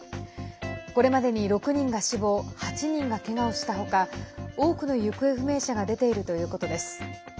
これまでに６人が死亡８人がけがをしたほか多くの行方不明者が出ているということです。